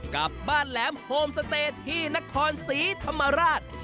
กับบ้านแหลมโฮมสเตย์ที่นครศรีธรรมราช